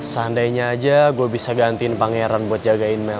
seandainya aja gue bisa gantiin pangeran buat jagain mel